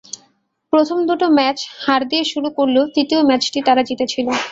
প্রথম দুটো ম্যাচে হার দিয়ে শুরু করলেও তৃতীয় ম্যাচটি তারা জিতেছিল।